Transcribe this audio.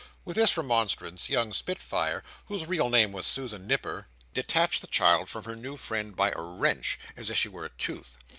With this remonstrance, young Spitfire, whose real name was Susan Nipper, detached the child from her new friend by a wrench—as if she were a tooth.